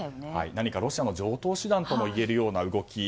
何かロシアの常套手段ともいえるような動き。